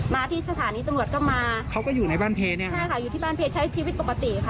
มาที่สถานีตำรวจก็มาเขาก็อยู่ในบ้านเพลเนี่ยใช่ค่ะอยู่ที่บ้านเพใช้ชีวิตปกติค่ะ